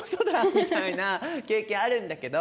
みたいな経験あるんだけど